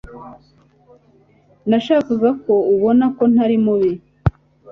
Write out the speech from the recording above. Nashakaga ko ubona ko ntari mubi